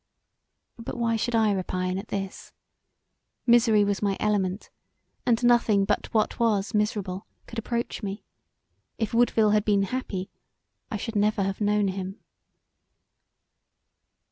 But why should I repine at this? Misery was my element, and nothing but what was miserable could approach me; if Woodville had been happy I should never have known him.